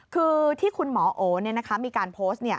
คือที่คุณหมอโอมีการโพสต์